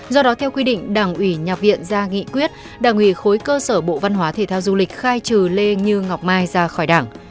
do đó theo quy định đảng ủy nhà viện ra nghị quyết đảng ủy khối cơ sở bộ văn hóa thể thao du lịch khai trừ lê như ngọc mai ra khỏi đảng